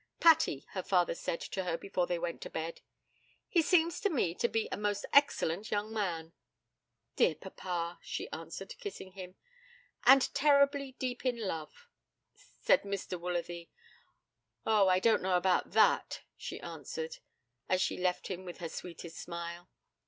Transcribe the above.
'Patty,' her father said to her before they went to bed, 'he seems to me to be a most excellent young man.' 'Dear papa,' she answered, kissing him. 'And terribly deep in love,' said Mr. Woolsworthy. 'Oh, I don't know about that,' she answered, as she left him with her sweetest smile.